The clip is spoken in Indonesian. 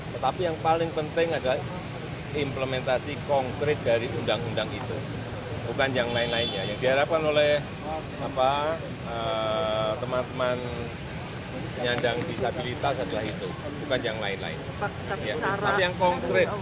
teman teman penyandang disabilitas adalah itu bukan yang lain lain